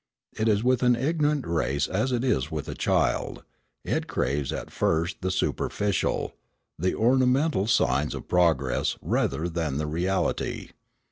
It is with an ignorant race as it is with a child: it craves at first the superficial, the ornamental signs of progress rather than the reality.